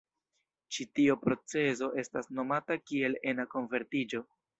Ĉi tio procezo estas nomata kiel ena konvertiĝo.